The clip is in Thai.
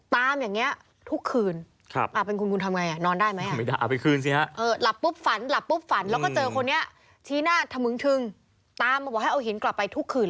ตามอย่างนี้ทุกคืนอ่าเป็นครูนคูณถามยังไงนอนได้ไหมน่ะ